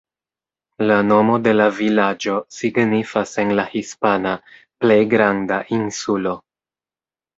La nomo de la vilaĝo signifas en la hispana "Plej granda insulo".